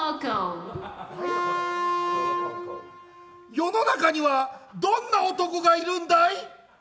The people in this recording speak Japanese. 世の中にはどんな男がいるんだい。